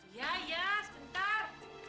ya ya sebentar